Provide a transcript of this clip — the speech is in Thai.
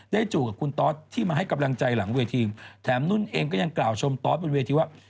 จู่กับคุณตอสที่มาให้กำลังใจหลังเวทีแถมนุ่นเองก็ยังกล่าวชมตอสบนเวทีว่า